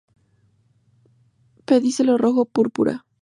Pedicelo rojo púrpura.